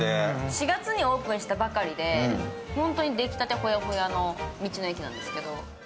４月にオープンしたばかりで本当に出来たてほやほやの道の駅なんですけど。